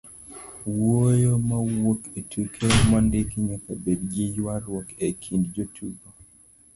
wuoyo mawuok e tuke mondiki nyaka bed gi ywaruok e kind jotuko